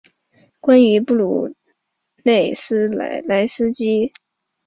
关于布鲁内莱斯基是如何从金匠转行成建筑师的资料很匮乏。